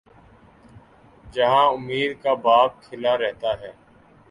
جہاں امید کا باب کھلا رہتا ہے۔